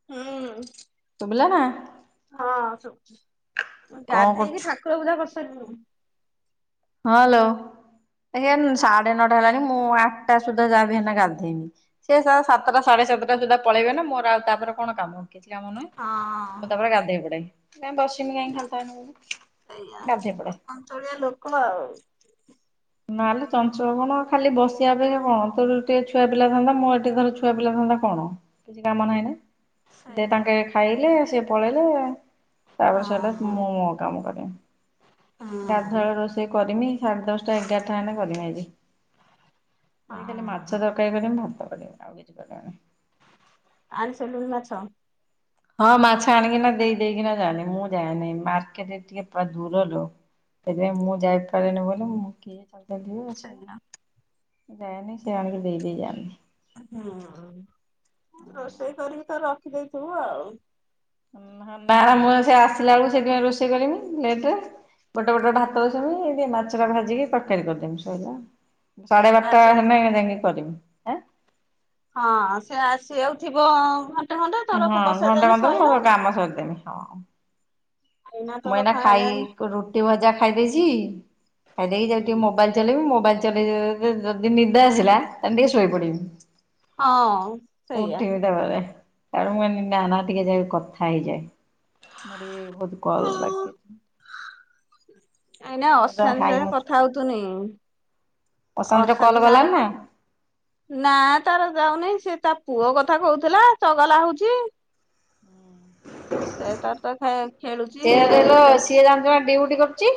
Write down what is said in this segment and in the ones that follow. ହୁଁ। ଶୁଭିଲା ନା। ହଁ ଶୁଭୁ କଣ ଗାଧେଇକି କରୁଛୁ ଠାକୁର ପୂଜା କରିସାରିଲୁଣୁ। ହଁ ଲୋ ଏଇନେ ସାଢେ ନଅଟା ହେଲାଣି ମୁଁ ଆଠଟା ସୁଦ୍ଧା ଯାହା ବି ହେନେ ଗାଧେଇବି। ସେ ସ ସାତଟା ସାଢେ ସାତଟା ସୁଦ୍ଧା ପଳେଇବେ ନା ମୋର ଆଉ ତାପରେ କଣ କାମ। କାମ ନୁହେଁ ମୁଁ ହଁ ତାପରେ ଗାଧେଇ ପଡେ କାଇଁ ବସିମି କାହିଁ ଖାଲିଟାରେ। ଆଜ୍ଞା ଗାଧେଇ ପଡେ ଆ ଚଞ୍ଚଳିଆ ଲୋକ ଆଉ। ନା ଲୋ ଚଞ୍ଚଳ କଣ ଖାଲି ବସିବା ପାଇଁ ହଁ ତୋର ଟିକେ ଛୁଆ ପିଲା ଧନ୍ଦା ମୁଁ ଏତେ ଥର ଛୁ। ଛୁଆ ପିଲା ଧନ୍ଦା କଣ କିଛି କାମ ନାହିଁ ନା। ଦେ ସେଇଆ ତାଙ୍କେ ଖାଇଲେ ସିଏ ପଳେଇଲେ ତାପରେ ହଁ ସରିଲା ମୁଁ ମୋ କାମ କରେ। ହଁ ଗାଧୁଆ ବେଳ ରୋଷେଇ କରିମି ସାଢେ ଦଶଟା, ଏଗାରଟା ହେଲେ କରିମି ଆଜି। ଦେଇ ଖାଲି ହଁ। ମାଛ ତରକାରୀ କରିିଛନ୍ତି ମୁଁ ଖାଲି ଭାତ କରିମି ଆଉ କିଛି କରିବାର ନାହିଁ। ଆଣି ସାରିଲୁଣି ମାଛ। ହଁ ମାଛ ଆଣିକି ନା ଦେଇ ଦେଇକିନା ଯାଆନ୍ତି ମୁଁ ଯାଏନି ମାର୍କେଟ ଟିକେ ପୁରା ଦୂର ଲୋ। ସେଇଥିପାଇଁ ମୁଁ ଯାଇପାରେନି ବୋଲି ମୁଁ କିଏ ଖାଲି ତ ଯିବ ଆସିବ ସେଇଆ ମୁଁ ଯାଏନି ସେ ଆଣକିରି ଦେଇ ଦେଇ ଯାନ୍ ହୁଁ ତୁ ତ ରୋଷେଇ କରିକି ତ ରଖିଦେଇଥିବୁ ଆଉ। ନାହାଁ ନା ମୁଁ ସେ ଆସିଲା ବେଳୁକୁ ସେଥିପାଇଁ ରୋଷେଇ କରମି ଲେଟେରେ। ଗୋଟେ ପଟେରେ ଭାତ ବସେଇମି ଟିକେ ମାଛଟା ଭାଜିକି ତରକାରୀ କରିଦେମି ସଇଲା ଆଉ। ସାଢେ ବାରଟା ଆସିବ ହେନେ ଯାଇଁକି କରିମି। ହଁ ସେ ଆସିଆକୁ ଥିବ ଘନ୍ ହଁ ଘଣ୍ଟେ କନ୍ଦର ମୋର କାମ ସାରିଦେମି ହଁ। ମୁଁ ତୋର ଏଇନା ଖାଇଦେଲେ ଖାଇକୁ ରୁଟି ଭଜା ଖାଇଦେଇଛି ଖାଇଦେଇକି ଯାଉଚି ଟିକେ ମୋବାଇଲ୍ ଚଲେଇମି ମୋବାଇଲ୍ ଚେଲେଇ [unintelligible] ଯଦି ନିଦ ଆସିଲା ତାହେନେ ଟିକେ ଶୋଇ ପଡିମି। ହଁ ସେଇଆ। ଉଠିମି ତାପରେ। ତାପରେ ମୁଁ କହିନି ନା ନା ଟିକେ ଯାଇକି କଥା ହେଇଯାଏ ମୋର ବି ଭୋଉତୁ କଲ୍ ବାକି ଏଇନାକେ ଅଶାନ୍ତି ହାଇ ସାଙ୍ଗେରେ କଥା ହଉଥୁନି ଅଶାନ୍ତିର କଲ୍ ଅଶାନ୍ତି ଗଲାଣି ସାଙ୍ଗେରେ ନା କ ନା ତାର ଯାଉ ନାହିଁ ସିଏ ତା ପୁଅ କଥା କହୁଥେଲା ଚଗଲା ହଉଛି। ସେ ତାର ତ ଖେ ଖେଳୁଛି ସିଏ ବା କହିଲା ସିଏ ତାଙ୍କର ଜାଣି ଡଉଟି କରୁଚି।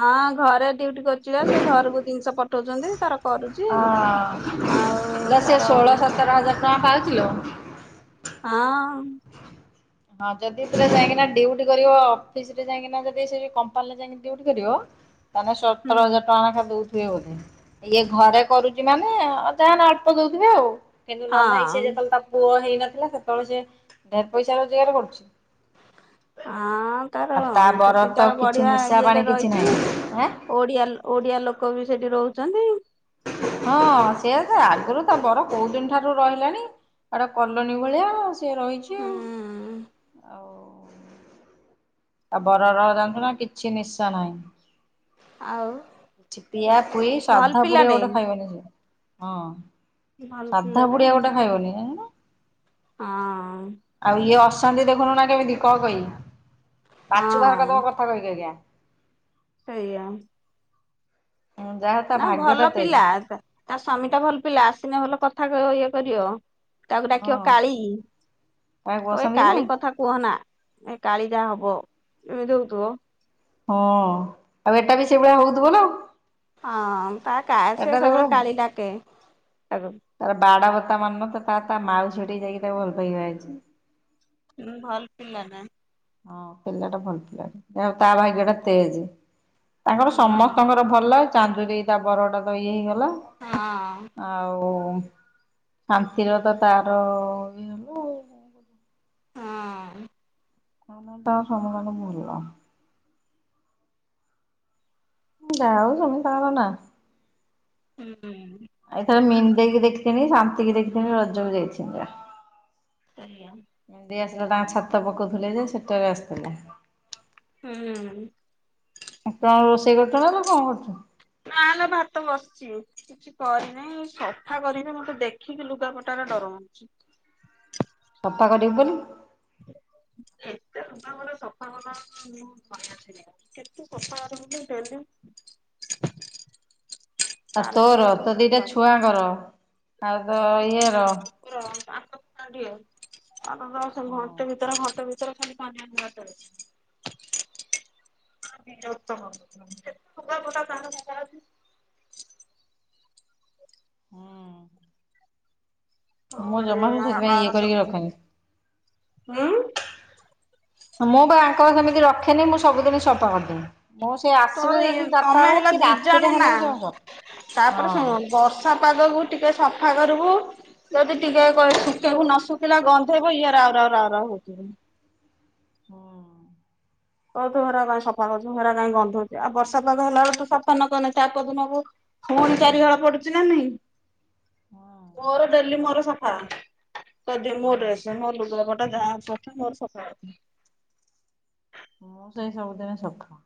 ହଁ ଘରେ ଡଉଟି କରୁଚି ବା ସେ ଘରୁକୁ ଜିନିଷ ପଠଉଚନ୍ତି ତାର କରୁଚି ଆଉ ହଁ ସେ ତାର ଷୋହଳ ଉଁ ସତର ହଜାର ଟଙ୍କା ପାଉଚିଲୋ। ଆଁ ଉଁ ହଁ ଯଦି ପୁରା ଯାଇଁକିନା ଡିଉଟି କରିବ ଅଫିସରେ ଯାଇଁକିନା ଯଦି ସେଠି କମ୍ପାନୀଲେ ଯାଇଁ ଏଇନେ ଡିଉଟି କରିବ ତମୁକୁ ହୁଁ ସତର ହଜାର ଟଙ୍କା ଲେଖା ଦଉ ଥିବେ ବୋଧେ ଇଏ ଘରେ କରୁଚି ମାନେ ଅ ଅ ଯାହା ହେନେ ଅଳ୍ପ ଦଉଥିବେ ଆଉ। କିନ୍ତୁ ନନା ହେଇ ସିଏ ହଁ। ଯେତେବେଳେ ତା ପୁଅ ହେଇନଥିଲା ସେତେବେଳେ ସିଏ ଢେର ପଇସା ରୋଜଗାର କରୁଛି। ହ। ହଁ ତାର ଆଉ ତା କଁ ବର ସେଠି ତ ତାର କିଛି ବଢିଆ ନିଶା ପାଣି ଇଏରେ କିଛି ରହିଚି ନାହିଁ ଆଁ। ଓଡିଆ ଲୋ ଓଡିଆ ଲୋକ ବି ସେଠି ରହୁଛନ୍ତି। ହଁ ସେଇଆ ସେ ଆଗୁରୁ ତା ବର କୋଉ ଦିନ ଠାରୁ ରହିଲେଣି। ଆଉ ଏଟା କଲୋନୀ ଭଳିଆ ସିଏ ରହିଛି ଆଉ ହୁଁ ଆଉ ତା ବରର ଜାଣିଚୁ ନା କିଛି ନିଶା ନାହିଁ। ଆଉ କିଛି ପିଆ ପିଇ ଭଲ ସାଧା ପୁଡିଆ ପିଲାଟେ ଗୋଟେ ଖାଇବେନି ସିଏ। ହଁ ଭଲ ସାଧା ପିଲାଟେ ପୁଡିଆ ଗୋଟେ ଖାଇବନି ଜାଣିଲୁ ନା। ହଁ। ଆଉ ଇଏ ଅସନ୍ତି ଦେଖୁନୁ ନା କେମିତି କ କଇ ପାଚୁ ବାହାର କରିଦବ ହଁ କଥା କହି କହିକା। ସେଇଆ। ହୁଁ ଯାହା ତା ନା ଭାଗ୍ୟ ଟା ଭଲ ତେଜ ପିଲା ତା ତା ସ୍ଵାମୀଟା ଭଲ ପିଲା ଆସିନେ ଭଲ କଥା କହିବ ଇଏ କରିବ। ତାକୁ ଡାକିବ ହଁ କାଳୀ କାହାକୁ କହିବ ବସନ୍ତି କି ନା କାଳୀ କଥା କୁହନା ଏ କାଳୀ ଯା ହବ ଇମିତି ହଉଥୁବ ହଁ ଆଉ ଏଟା ବି ସେଇଭଳିଆ ହଉଥୁବ ନା ଆଉ। ହଁ ତା କା ସିଏ ସବୁବେଳେ ଦେଖୁନୁ କାଳୀ ଡାକେ ତାକୁ। ତାର ବାଡ ବତା ମାନୁ ନଥବ ତା ତା ମାଉସୀ ଘଟିକି ଯାଇକି ତାକୁ ଭଲ ପାଇକି ବାହା ହେଇଚି। ହୁଁ ଭଲ ପିଲାଟା। ହଁ ପିଲାଟା ଭଲ ପିଲାଟା [unintelligible] ତା ଭାଗ୍ୟଟା ତେଜେ। ତାଙ୍କର ହୁଁ ସମସ୍ତଙ୍କର ଭଲ ଚାନ୍ଦୁରି ତା ବରଟା ତ ଇଏ ହେଇଗଲା। ହଁ। ଆଉ ଶାନ୍ତିର ତ ତାର ବି ହେଲ ହଁ। ହଁ ତାଙ୍କର ତାଙ୍କର ସମତଙ୍କର ଭଲ। [unintelligible] ନା ହୁଁ ହୁଁ। ଆ ଏଥର ମିନ୍ଦେଇ କି ଦେଖିଥିନି ଶାନ୍ତିିକି ଦେଖିଥିନି ରଜକୁ ଯାଇଥିନି ବା। [inaudible] ମିନ ଦେଇ ଆସିଲା ତାଙ୍କ ଛାତ ପକଉଥିଲେ ଯେ ସେତେବେଳେ ଆସଥିଲା। ହୁଁ ହୁଁ। ସେତେବେଳୁ ରୋଷେଇ କରୁଛୁ ନା କଣ କରୁଛୁ? ନା ଲୋ ଭାତ ବସଛି। କିଛି କରିନହିଁ, ସଫା କରବି। ମୋତେ ଦେଖିକି ଲୁଗାପଟାର ଡରମାଉଛି। ସଫା କରିବି ବଲିକି? ହ [unintelligible] ଆଉ କାଲି ତୋର, ଏରା ସବୁ ତୋ ଦିଟା ସଫା ଛୁଆଙ୍କର ଆଉ ତୋ ଇଏ ର। [unintelligible] [unintelligible] [unintelligible] ମୁଁ ଜମାବି ସେଥିପାଇଁ ଇଏ କରିକି ରଖେନି। ହୁଁ। ମୁଁ ବା ଆଙ୍କର ସେମିତି ରଖେନି। ମୁଁ ସବୁଦିନ ସଫା କରିଦିଏଁ। ମୁଁ ସେ ତୋର ଆସିବେ ଏ ଯଦି ଚାରି ତମେ ବଳେ ହେଲା କି ଦି ଜଣ ରାତିରେ ନା ହେନେବି ସଫା ସେ। ତାପରେ ହଁ। ଶୁଣୁ [inaudible] ପାଗକୁ ଟିକେ ସଫା କରବୁ। ଯଦି ଟିକେ କହିବୁ ଶୁଖେଇବୁ ନ ଶୁଖିଲେ ଗନ୍ଧେଇବ ଇଏ ରାଉ ରଉ ରାଉ ରାଉ ହଉଥିବେ। ହଁ। ବହୁତ ଗୁରା କଣ ସଫା କରୁଛୁ। ହେରା କାଇଁ ଗନ୍ଧଉଛି। ଆଉ ବର୍ଷା ପାଗ ହେଲା ବେଳେ ତ ସଫା ନକନେ ତା ପଦିନକୁ ପୁଣି ଚାରି ହଳ ପଡୁଛି ନା ନାଇଁ? ମୋର ଡେଲି ମୋର ସଫା କଦି ମୋ ଡ୍ରେସ୍ ମୋର ଲୁଗାପଟା ଯା ଅଛି ମୋର ସଫା ଅଛି। ମୁଁ ସେଇ ସବୁଦିନ ସଫା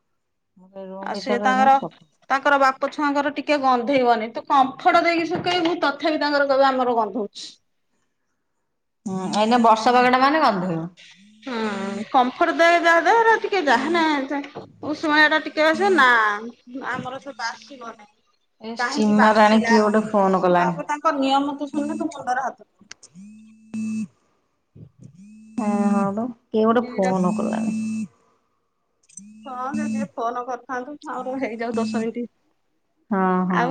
ମୁଁ ସେ ରୁମ ଆଉ ସିଏ ଭିତରେ ରହିଲେ ତାଙ୍କର ବି ସଫା। ତାଙ୍କର ବାପ ଛୁଆଙ୍କର ଟିକେ ଗନ୍ଧେଇବନି। ତୁ କମ୍ଫର୍ଟ ଦେଇକି ଶଖେଇବୁ ତଥାପି ତାଙ୍କର କହିବେ ଆମର ଗନ୍ଧଉଛି। ହୁଁ, ଏଇନେ ବର୍ଷା ପାଗଟା ମାନେ ଗନ୍ଧୋଇବ। ହୁଁ। କମ୍ଫର୍ଟ ଦୋ ଯାହା ଦେ ଟିକେ ଯାହା ନେ [unintelligible] ନା ଆମର ସେ ବାସିବ ନାହିଁ। ଏ କାହିଁକି ସୀମାରାଣୀ ବାସିଲା? କିଏ ଗୋଟେ ଫୋନ କଲାଣି। ବାବୁ ତାଙ୍କ ନିୟମ ତୁ ଶୁଣିଲେ ତୁ ମୁଣ୍ଡରେ ହାତ ହୁଁ [inaudible] କିଏ ଗୋଟେ ଦିଟା ଫୋନ କ ହଁ ସେ ଯିଏ ଫୋନ କରିଥାନ୍ତୁ ଆମର ହେଇଯାଉ ଦଶ ମିନ୍ ଟି। ହଁ ହଁ।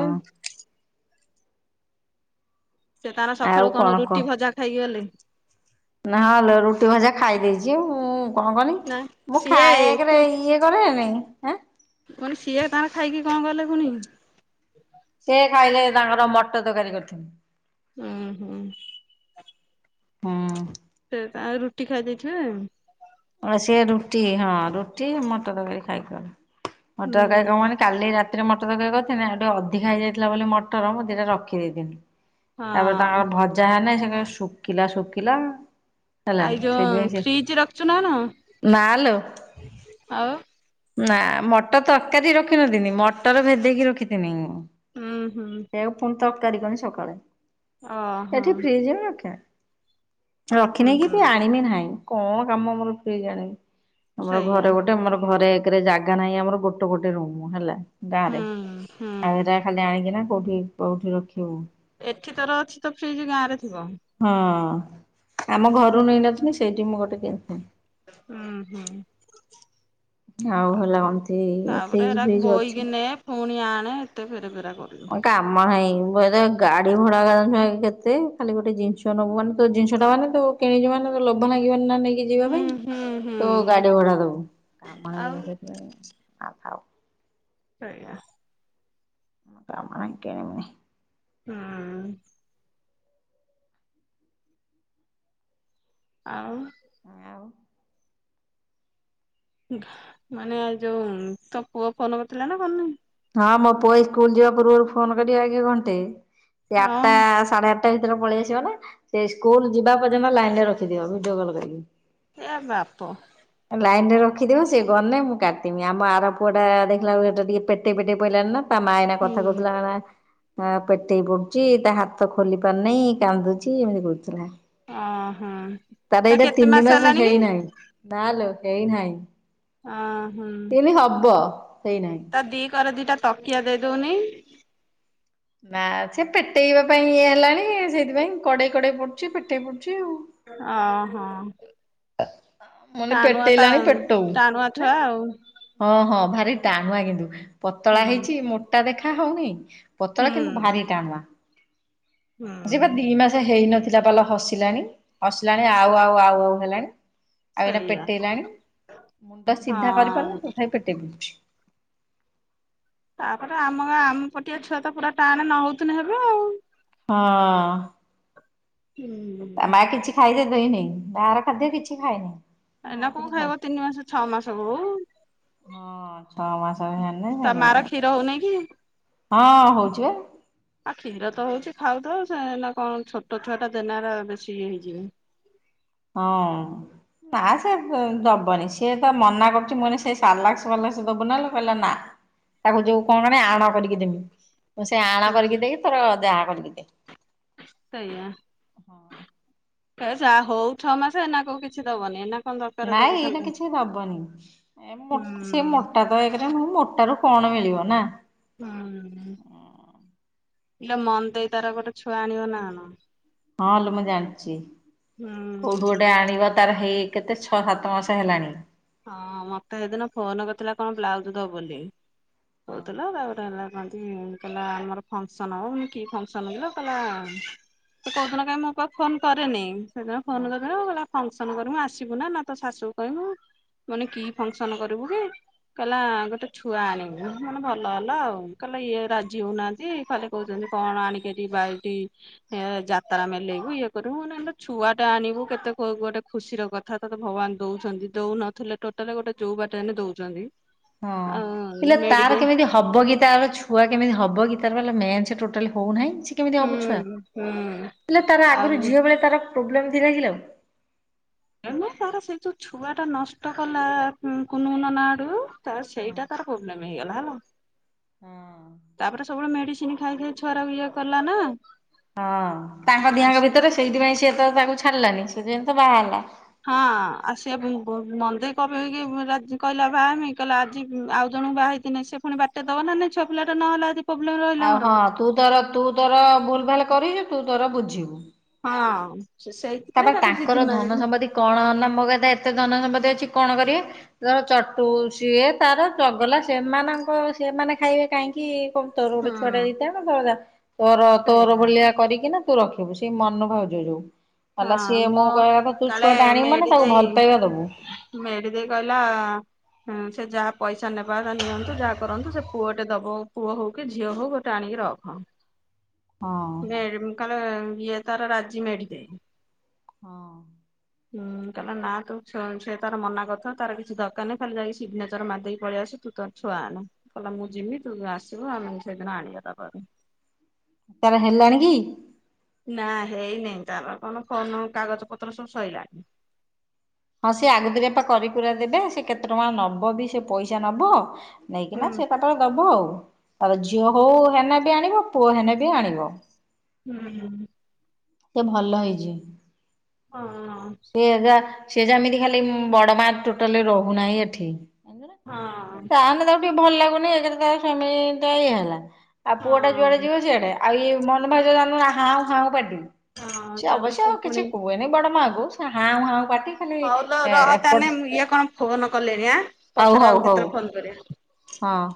ସେ ତାର ସକାଳୁ କଣ ରୁଟି ଭଜା ଖାଇକି ଗଲେ? ନାଆଁ ଲୋ ରୁଟି ଭଜା ଖାଇ ଦେଇଛି ମୁଁ। ଉଁ କଣ କନି? ନା ମୁଁ ସିଏ ଖାଏ ଏକ୍ ରେ ତୁ ଇଏଭ କରିବେନି ମାନେ ସିଏ ତାର ଖାଇକି କଣ କଲେ ପୁଣି? ସେ ଖାଇଲେ ତାଙ୍କର ମଟର୍ ତର୍ ର୍କାରୀ କରିଥିନି। ଉଁ ହୁଁ। ହୁଁ। ସେ ତଙ୍କର ରୁଟି ଖାଇ ଦେଇେଥିବେ। ହଁ ସେଏ ରୁଟି ହଁ ରୁଟି ମଟର ତରକାରୀ ଖାଇକିଗଲେ ମଟ ହୁଁ ତରକାରୀ କଣନି କାଲି ରାତ୍ ଥିରେ ମଟର ତରକାରୀ କରିଥିଲିନି ଆଉ ଟିକେ ଅଧିକ ହେଇଯାଇଥିଲା ବୋଲି ମଟର ମୁଁ ଦିଟା ରଖିଦ ଦେଇଥିନି। ତାପରେ ତାଙ୍କ ହଁ ଭଜା ହେନେ ସେ କେମ ଶୁଖିଲା ଶୁଖିଲା। ହେଲା ଆଇ ଯୋ ଫ୍ରିଜ ରଖୁଛୁ ନା ଲୋ? ନା ଲୋ। ନା ମଟର ତର୍କାରୀ ରଖିିନଥିନି ମଟର ଭେଦେଇକି ରଖିଥିନି ମୁଁ। ହଁ ହଁ। ସେୟାକୁ ପୁଣି ତରକାରୀ କନି ସକାଳେ ଓହୋ ଏଠି ଫ୍ରିଜ ରେ ରଖେନି। ହୁଁ ରଖିନି କି ବି ଆଣିବି ନାହିଁ, କଣ କାମ ମୋର ଫ୍ରିଜ୍ ଆଣିବି ଆମର ସେଇଆ ଘରେ ଗୋଟେ ଗୋଟେ ଆମର ଘରେ ଏକରେ ଜାଗା ନାହିଁ ଆମର ଗୋଟ ଗୋଟେ ରୁମ ହେଲା। ଗାଁ ରେ ହୁଁ ହୁଁ ଆଉ ଏଟା ଖାଲି ଆଣିକିନା କୋଉଠି କୋଉଠି ରଖିବୁ। ଏଠି ତୋର ଅଛି ତ ଫ୍ରିଜ ଗାଁ ରେ ଥିବ। ହଁ ଆମ ଘରୁ ନେଇନଥିଲି ସେଇଠି ମୁଁ ଗୋଟେ କିନିଥିଲି। ଉଁ ହୁଁ। ଆଉ ଆ ହେଲା କଣତି ତାପରେ ଫ୍ରିଜ ଏତା ଫ୍ରିଜ ଅଛି। ବୋଇକି ନେ ପୁଣି ଆଣେ ଏତେ ପେରେ ପେରା କରି କାମ ନାହିଁ ବୋଧେ ଗାଡି ଭଡ଼ା ଜାନ୍ ଚୁନା କେତେ ଖାଲି ଗୋଟେ ଜିନିଷ ନେବୁ ମାନେ ତୋ ଜିନିଷ ଟା ମାନେ ତୁ। କିଣିଚୁ ମାନେ ଲୋଭ ଲାଗିବି ନା ନେଇଁ କି ଯିବା ହୁଁ ପାଇଁ ହୁଁ ହୁଁ ତୋ ଗାଡି ଭଡା ଦବୁ କାମ ନାହିଁ ଆଉ ମୁଁ ସେଥିପାଇଁ ଥାଉ ଥାଉ। ସେୟା। କାମ ନାହିଁ [unintelligible] ହୁଁ ଉଁ। ଆଉ। ଆଉ। ମାନେ ଯୋଉ ତୋ ପୁଅ ଫୋନ କରିଥିଲା ନା କରିନି? ହଁ ମୋ ପୁଅ ଏଇ ସ୍କୁଲ ଯିବା ପୂର୍ବରୁ ଫୋନ କରିବ ଆଗ ଘଣ୍ଟେ ସେ ଆଠଟା ହଁ ସାଢେ ଆଠଟା ଭିତରେ ପଳେଇ ଆସିବ ନା ସେ ସ୍କୁଲ ଯିବା ପର୍ଯ୍ୟନ୍ତ ଲାଇନ ରେ ରଖିଥିବ ଭିଡିଓ କଲ୍ କରିକି। ଏ ୟା ବାପୋ। ଲାଇନ ରେ ରଖିଥିବ ସେ ଗନେ ମୁଁ କାଟିମି ଆମ ଆର ପୁଅ ଟା ଦେଖିଲା ବେଳକୁ ହେଟା ଟିକେ ପେ ପେଟେଇ ପେଟେଇ ପଇଲାଣି ନା ତା ମା ୟନା ହୁଁ କଥା କହୁଥିଲା ବା। ହା ପେଟେଇ ପଡୁଛି ତା ହାତ ଖୋଲି ପାରୁନାହିଁ କାନ୍ଦୁଛି ଏମିତି କରୁଥିଲା। ଅ ହଁ। ତାର ଏଟା ତିନି ମାସ ହେଇ ନାହିଁ ନା ଲୋ ହେଇ ନାହିଁ। ଅ ହୁଁ ହେଇନାହିଁ। ତା ଦିକରେ ଦିଟା ତକିଆ ଦେଇ ଦଉନି। ନା ସେ ପେଟେଇବା ପାଇଁ ଇଏ ହେଲାଣି ସେଇଥିପାଇଁ କଡେଇ କଡେଇ ପଡୁଛି ପେଟେଇ ପଡୁଛି ଆଉ। ଅ ହୋ। କହିଲି ଟାନୁଆ ତା ପେଟେଇଲାଣି ପେଟଉ। ଟାଣୁଆ ଛୁଆ ଆଉ। ହଁ ହଁ ଭାରି ଟାଣୁଆ କିନ୍ତୁ ପତଳା ହୁଁ ହେଇଛି ମୋଟା ଦେଖା ହୋଉନି। ପତଳା କିନ୍ତୁ ହୁଁ ଭାରି ଟାଣୁଆ ଯିବା ହୁଁ ଦି ମାସ ହେଇନଥିଲା ବା ଲୋ ହସିଲାଣି ହସିଲାଣି ଆଉ ଆଉ ଆଉ ଆଉ ହେଲାଣି। ଆଉ ଏଇନା ସେଇଆ ପେଟେଇଲାଣି ମୁଣ୍ଡ ଟା ସିଧା ହଁ କରିପାରୁନାହାନ୍ତି ତଥାପି ପେଟେଇ ଦେଉଛି। ତାପରେ ଆମ ଗାଁ ଆମ ପଟିଆ ଛୁଆ ତ ପୁରା ଟାଣେ ନ ହଉଥିଲେ ହେବେ ଆଉ। ହଁ ହୁଁ ତା ମା କିଛି ଖାଇଲେ ଦିଏନି ବାହାର ଖାଦ୍ୟ କିଛି ଖାଇନି। ଏନା କୋଉ ଖାଇବ ତିନି ମାସ ଛଅ ମାସ ହୋଉ। ହଁ ଛଅ ମାସ ହେଲେ ତା ହଁ ମାର କ୍ଷୀର ହଉନି କି? ହଉଛି ପା ଆଉ କ୍ଷୀର ତ ହଉଛି ଖାଉ ତ ସେ ନା କଣ ଛୋଟ ଛୁଆ ଟା ଦେନ ବେଶୀ ଇଏ ହେଇଯିବ। ହଁ ନା ସେ ଦବନି ସିଏ ତ ମନା କରୁଛି ମୁଁ ଏଇନେ ସେ ସାଲାସଲାସ ଦବୁ ନା। କହିଲା ନା ତାକୁ ଯୋଉ କଣ କ ଆଣ କରିକି ଦେମି। ମୁଁ ସେ ଆଣ ହୁଁ କରିକି ଦେଇକି ତୋର ଯାହା କରିକି ଦେ। ସେଇଆ ଯ ହଉ ଛଅ ମାସ ଏନା କଉ କିଛି ଦବନି ଏନା କଣ ଦରକାର। ନାଇଁ ଦବ ଖାଲି ଏଇନା ଧାନ କିଛି ଦବନି ସେ ମୋ ହୁଁ। ମୋଟା ତ ଏକରେ ମୋଟାରୁ କଣ ମିଳିବ ନା। ହଁ ହେଲେ ମନ ଦେଇ ତାର ଗୋଟେ ଛୁଆ ଆଣିବ ନା ଆଣ। ହଁ ଲୋ ମୁଁ ଜାଣିଛି। ହୁଁ କୋଉଠୁ ଗୋଟେ ଆଣିବ। ତାର ହେଇ କେତେ ଛଅ ସାତ ମାସ ହେଲାଣି। ହଁ ମତେ ସେଦିନ ଫୋନ କରିଥିଲା କଣ ବ୍ଲାଉଜ ଦବ ବୋଲି। ହଁ କହୁଥିଲା ତାପରେ ହେଲା କୁହନ୍ତି କହିଲ ଆମର ଫଙ୍କସନ ହବ। କି ଫଙ୍କସନ କିଲୋ। କହିଲା ତ କୋଉ ଦିନ କାଇଁ ମୋ ପାଖକୁ ଫୋନ କରେନି। ସେଦିନ ହଁ ଫୋନ କରିଥିଲା କଲା ଫଙ୍କସନ କରିବୁ ଆସିବୁ ନା ନା ତ ଶାଶୁକୁ କହିବୁ ମାନେ କି ଫଙ୍କସନ କରିବୁ କି? କହିଲା ଗୋଟେ ଛୁଆ ଆଣିବୁ। ମାନେ ଭଲ ହେଲା ଆଉ କହିଲା ଇଏ ରାଜି ହଉନାହାନ୍ତି। ସେ ଖାଲି କହୁଛନ୍ତି କଣ ଆଣିକି ଏଠି ବାଲଟି ଏ ଯାତ୍ରା ମେଲେଇବୁ ଇଏ କରିବୁ ନହେଲେ ଛୁଆ ଟା ଆଣିବୁ କେତେ ଗୋଟେ ଖୁସି ର କଥା କଥା ତତେ ଭଗବାନ ଦଉଛନ୍ତି ଦଉ ନଥିଲେ ଟୋଟାଲ ଗୋଟେ ଯୋଉ ବାଟ ହେଲେ ଦଉଛନ୍ତି। ହଁ ଆଉ ହେଲେ ମେଡି ତାର ଦେ କେମିତି ହବ କି ତାର ଛୁଆ କେମିତି ହବ କି ତାର ମେନ୍ସେ ଟୋଟାଲି ହଉନାହିଁ। କେମିତି ହୁଁ ହବୁ ଛୁଆ। ହୁଁ ହେଲେ ତାର ଆଉ ଆଗରୁ ଝିଅ ବେଳେ ତାର ପ୍ରୋବ୍ଲେମ ଥିଲା କି ଆଉ। ଏମ ତାର ସେଇ ଯୋଉ ଛୁଆ ଟା ନଷ୍ଟ କଲା କୁନୁୁନ ନା ଆଡୁ ତ ସେଇଟା ତାର ପ୍ରୋବାଲେମ୍ ହେଇଗଲା ହେଲା। ତାପରେ ସବୁବେଳେ ମେଡ଼ିସିନ୍ ସିନ ଖାଇ ଖାଇ ଛୁଆକୁ ଇଏ କଲା ନା। ହଁ ତାଙ୍କ ଆସ ଦିହଙ୍କ ଭିତରେ ସେଇଥିପାଇଁ ସିଏ ତ ତାକୁ ଛାଡିଲାନି ସେଥିପାଇଁ ତ ବାହାହେଲା। ହଁ ଆ ସିଏ ମନ୍ଦେଇ କେଇକି କହିଲା ଭାଇାମି କହିଲା ଆଜି ଆଉ ଜଣଙ୍କୁ ବା ହେ ସେ ପୁଣି ବାଟା ଦେବ ନା ନାଇ ଛୁଆ ପିଲଟ ନ ହେଲା ଯଦି। ପ୍ରୋବ୍ଲେମ ରହିଲା ଆଉ ହଁ ମୋର। ତୁ ତୋର ତୁ ତୋର ଭୁଲ ଭାଲ କରଛୁ ତୁ ତୋର ବୁଝିବୁ। ହଁ ସେ ସେଇ ତାପରେ ତାଙ୍କର ଧନ ସମ୍ପତ୍ତି କଣ ନା ମ କଥା ଏତେ ଧନ ସମ୍ପତ୍ତି ଅଛି କଣ କରିବେ। ତର ଚଟୁ ସିଏ ତାର ଚଗଲା ସେମାନଙ୍କ ସେମାନେ ଖାଇବେ କାହିଁକି କ ତୋର ଗୋଟେ ଛୁଆ ଟା ହଁ। ହୋଇଥାଏ କ ତ ତୋର ତୋର ସେଇଆ ଭଳିଆ କରିକି ନା ରଖିବୁ ସେଇ ମନଭାଉଜ ଯୋଉ। ହଁ ହେଲା ସିଏ ମୁଁ ମୋ କହିବା କଥା ତୁ କାଳେ ଛୁଆଟା ଆଣିବୁ ମାନେ ଏଡି ତାକୁ ଦେଇ ଭଲ ପାଇବା ଦବୁ ମେଡି ଦେଇ କହିଲା ହୁଁ ସେ ଯାହା ପଇସା ନେବା ତା ନିଅନ୍ତୁ ଯାହା କରନ୍ତୁ ସେ ପୁଅଟେ ଦବ ପୁଅ ହଉ କି ଝିଅ ହଉ ଟ ଆଣିକି ରଖ ହଁ। କା ଇଏ ତାର ରାଜି ମେଡି ଦେଇ। ହଁ ହୁଁ କହିଲ ନା ତୁ ସେ ତାର ମନା କଥା ତାର କିଛି ଦରକାରହିଁ ଖାଲି ଯାଇକି ସିଗନେଚର ମାରିକି ପଳେଇ ଆସୁ ତୁ ତ ଛୁଆ ନା କହିଲଲେ ମୁଁ ଯିବି ତୁ ଆସିବୁ ଆମେ ସେଇଦିନ ଆଣିବା ତାପରେ। ତାର ହେଲାଣି କି? ନାଁ ହେଇନେଇ ତାର କଣ ଫୋନ କାଗଜ ପତ୍ର ସବୁ ସଇଲାଣି। ହଁ ସେ ଆଗୁତିରିଆ ପା କରିକୁରା ଦେବେ ସେ କେତେ ଟଙ୍କା ନବ ବି ସେ ପଇସା ନବ। ନେଇକି ହୁଁ ନାଁ ସେ ତାପରେ ଦବ ଆଉ ତାପରେ ଝିଅ ହଉ ହେନେ ବି ଆଣିବ ପୁଅ ହେନେ ବି ଆଣିବ। ହୁଁ ଉଁ। ଏଁ ଭଲ ହେଇଛି। ହଁ ଅଁ। ସିଏ ଯା ସିଏ ଯେମିତି ଖାଲି ବଡ ମାଆ ଟୋଟାଲି ରହୁନାହିଁ ଏଠିଁ। ହଁ ତାପରେ ତା ମାନେ ତାକୁ ଟିକେ ଭଲ ଲାଗୁନି ଏକେରେ ତାର ସ୍ବାମୀ ଟା ଇଏ ହେଲା। ଆଉ ପୁଅ ଟା ଯୁଆଡେ ହଁ ଯିବ ସିଆଡେ ଆଉ ମୋହନ ମାଝି ର ଜାଣିନୁ ନାଁ ହାଉଁ ହାଉଁ ପାଟି। ହଁ ସେ ତାପରେ ଅବଶ୍ୟ ପୁଣି କିଛି କୁହେନି ବଡ ମା କୁ ସେ ହାଉଁ ହାଉଁ ପାଟି। ଖାଲି ହଉଲୋ ଏ ରହ ଏପଟ ତାନେ ମୁଁ ଇଏ କଣ ଫୋନ କଲେଣି ଆଁ ହଉ ପଛରେ ହଉ ଆଉ ହଉ କେତେବେଳେ ଫୋନ କରିବା। ହଁ।